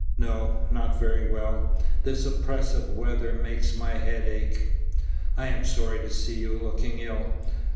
"No, not very well. This oppressive weather makes my head ache." "I am sorry to see you looking ill.